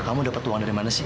kamu dapat uang dari mana sih